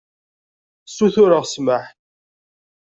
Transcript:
Sutureɣ ssmaḥ.